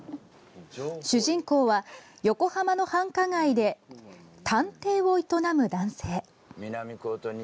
主人公は横浜の繁華街で探偵を営む男性。